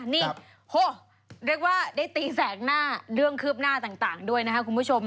นี่โหเรียกว่าได้ตีแสกหน้าเรื่องคืบหน้าต่างด้วยนะครับคุณผู้ชม